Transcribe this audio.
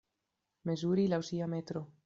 Mezuri laŭ sia metro.